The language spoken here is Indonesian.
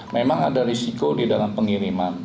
memang ada risiko di dalam pengiriman